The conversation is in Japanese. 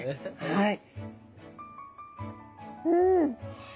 はい。